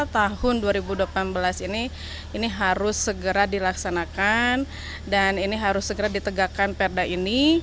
tahun dua ribu delapan belas ini ini harus segera dilaksanakan dan ini harus segera ditegakkan perda ini